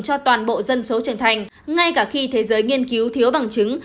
cho toàn bộ dân số trưởng thành ngay cả khi thế giới nghiên cứu thiếu bằng chứng